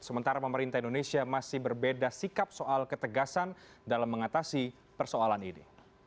sementara pemerintah indonesia masih berbeda sikap soal ketegasan dalam mengatasi persoalan ini